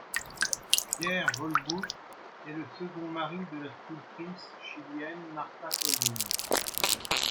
Pierre Volboudt est le second mari de la sculptrice chilienne Marta Colvin.